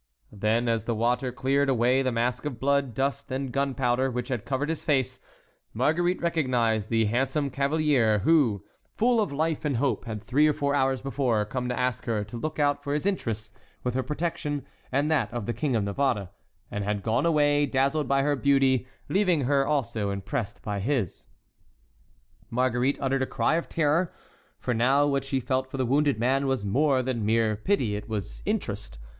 Then as the water cleared away the mask of blood, dust, and gunpowder which had covered his face, Marguerite recognized the handsome cavalier who, full of life and hope, had three or four hours before come to ask her to look out for his interests with her protection and that of the King of Navarre; and had gone away, dazzled by her beauty, leaving her also impressed by his. Marguerite uttered a cry of terror, for now what she felt for the wounded man was more than mere pity—it was interest.